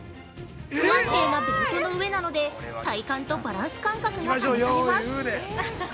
不安定なベルトの上なので体感とバランス感覚が試されます。